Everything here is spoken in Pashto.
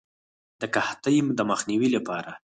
د قحطۍ د مخنیوي لپاره.